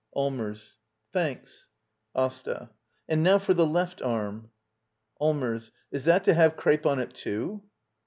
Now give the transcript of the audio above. Allmers. Thanks. AsTA. And now for the left arm. Allmers. Is that to have crepe on it, too?